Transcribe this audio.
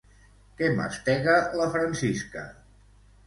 Què mastega la Francisca?